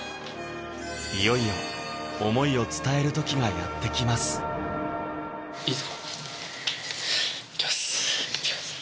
いよいよ思いを伝える時がやって来ますあっ